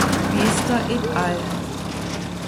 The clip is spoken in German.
Meester et al.